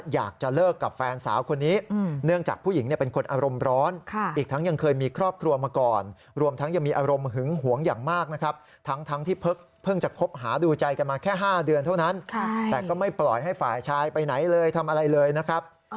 แต่ก็ไม่ปล่อยให้ฝ่ายชายไปไหนเลยทำอะไรเลยนะครับ